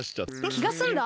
きがすんだ？